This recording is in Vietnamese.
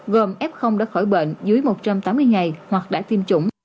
gồm f đã khỏi bệnh dưới một trăm tám mươi ngày hoặc đã tiêm chủng